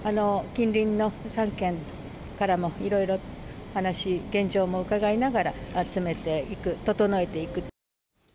近隣の３県からも、いろいろ話、現場も伺いながら、詰めていく、整えていく。